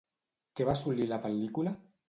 Què va assolir la pel·lícula?